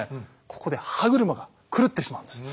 ここで歯車が狂ってしまうんです。